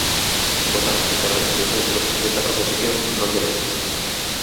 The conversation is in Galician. Votamos o resto de puntos desta proposición non de lei.